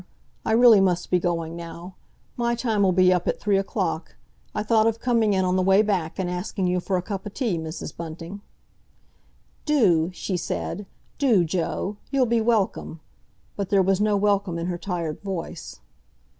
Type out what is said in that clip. I really must be going now. My time'll be up at three o'clock. I thought of coming in on the way back, and asking you for a cup o' tea, Mrs. Bunting." "Do," she said. "Do, Joe. You'll be welcome," but there was no welcome in her tired voice.